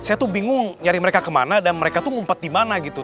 saya tuh bingung nyari mereka kemana dan mereka tuh ngumpet di mana gitu